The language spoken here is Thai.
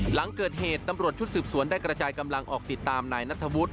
หลังเกิดเหตุตำรวจชุดสืบสวนได้กระจายกำลังออกติดตามนายนัทธวุฒิ